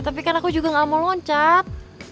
tapi kan aku juga gak mau loncat